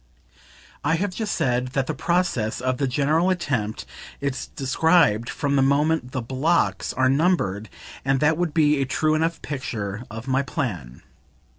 I have just said that the process of the general attempt is described from the moment the "blocks" are numbered, and that would be a true enough picture of my plan.